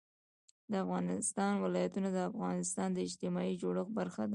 د افغانستان ولايتونه د افغانستان د اجتماعي جوړښت برخه ده.